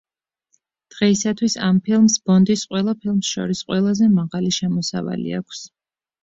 დღეისათვის ამ ფილმს ბონდის ყველა ფილმს შორის ყველაზე მაღალი შემოსავალი აქვს.